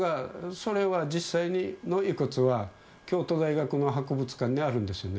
それは実際の遺骨は京都大学の博物館にあるんですよね